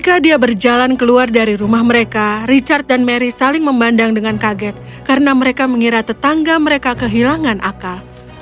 ketika mereka keluar dari rumah mereka richard dan mary saling membalikkan keadaan mereka karena mereka mengira tetangga mereka hilang akal